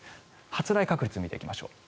発雷確率を見ていきましょう。